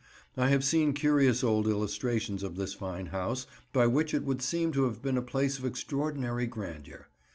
I have seen curious old illustrations of this fine house, by which it would seem to have been a place of extraordinary grandeur.